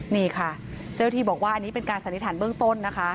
นี่ค่ะเจ้าที่บอกว่าอันนี้เป็นการสันนิษฐานเบื้องต้นนะคะ